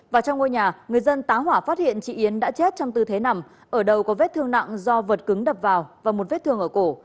và trong ngôi nhà người dân tá hỏa phát hiện chị yến đã chết trong tư thế nằm ở đầu có vết thương nặng do vật cứng đập vào và một vết thương ở cổ